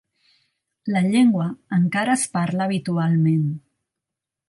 La llengua encara es parla habitualment.